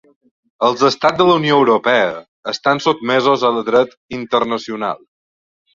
Els estats de la Unió Europea estan sotmesos al dret internacional.